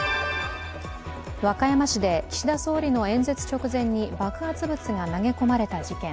和歌山市で岸田総理の演説直前に爆発物が投げ込まれた事件。